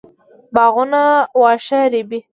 باغوانان واښه رېبي.